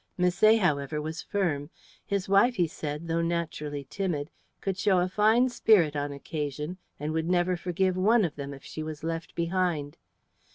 Misset, however, was firm. His wife, he said, though naturally timid, could show a fine spirit on occasion, and would never forgive one of them if she was left behind.